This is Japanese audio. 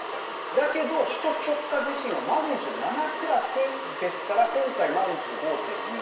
だけど、首都直下地震はマグニチュード７クラスですから今回、マグニチュード５．２。